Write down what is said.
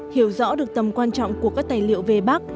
hiểu rõ được tầm quan trọng của các tài liệu về bác